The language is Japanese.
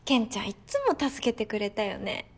いっつも助けてくれたよね。